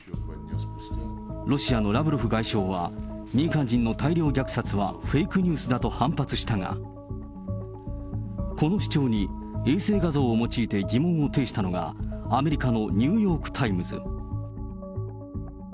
ロシアのラブロフ外相は、民間人の大量虐殺はフェイクニュースだと反発したが、この主張に衛星画像を用いて疑問を呈したのが、アメリカのニューヨーク・タイムズ。